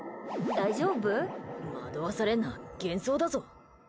惑わされんな、幻想だぞ。